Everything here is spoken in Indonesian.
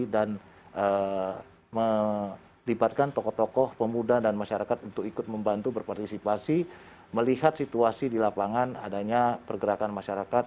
dan melibatkan tokoh tokoh pemuda dan masyarakat untuk ikut membantu berpartisipasi melihat situasi di lapangan adanya pergerakan masyarakat